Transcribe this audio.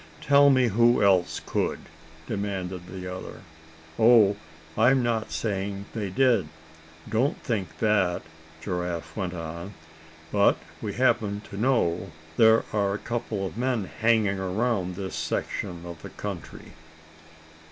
"Tell me who else could?" demanded the other. "Oh! I'm not sayin' they did; don't think that," Giraffe went on; "but we happen to know there are a couple of men hanging around this section of the country."